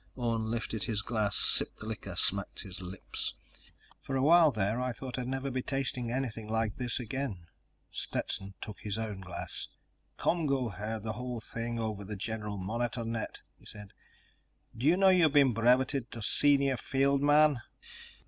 Orne lifted his glass, sipped the liquor, smacked his lips. "For a while there, I thought I'd never be tasting anything like this again." Stetson took his own glass. "ComGO heard the whole thing over the general monitor net," he said. "D'you know you've been breveted to senior field man?"